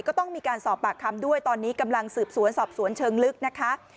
ก็ต้องมีการสอบปากคำด้วยตอนนี้กำลังสืบสวนสอบสวนเชิงลึกนะคะ